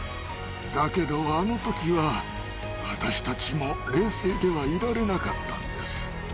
だけど、あのときは私たちも冷静ではいられなかったんです。